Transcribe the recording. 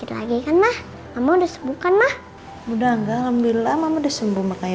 lagi kan mah kamu udah sembuhkan mah udah enggak alhamdulillah mama udah sembuh makanya